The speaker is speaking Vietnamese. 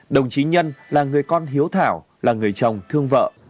đồng chí nhân là người con hiếu thảo là người chồng thương vợ